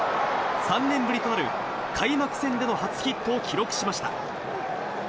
３年ぶりとなる開幕戦での初ヒットを記録しました。